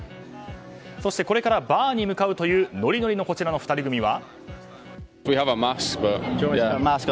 そして、これからバーに向かうというノリノリのこちらの２人組は。